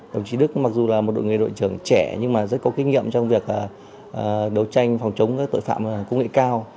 đồng chí đức mặc dù là một đội trưởng trẻ nhưng mà rất có kinh nghiệm trong việc đấu tranh phòng chống tội phạm công nghệ cao